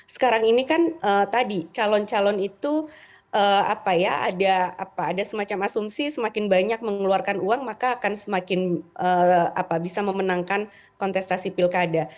sekarang ini kan tadi calon calon itu ada semacam asumsi semakin banyak mengeluarkan uang maka akan semakin bisa memenangkan kontestasi pilkada